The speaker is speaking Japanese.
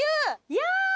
いや！